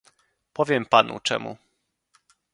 Powiem panu, czemu